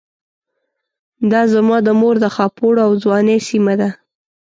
دا زما د مور د خاپوړو او ځوانۍ سيمه ده.